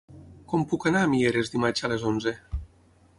Com puc anar a Mieres dimarts a les onze?